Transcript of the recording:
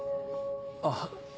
あっ。